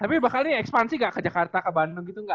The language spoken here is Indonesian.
tapi bakal ini ekspansi nggak ke jakarta ke bandung gitu nggak